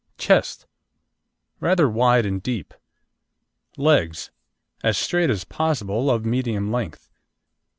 CHEST Rather wide and deep. LEGS As straight as possible, of medium length.